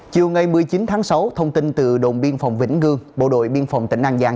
chiều ngày một mươi chín tháng sáu thông tin từ đồn biên phòng vĩnh ngư bộ đội biên phòng tỉnh an giang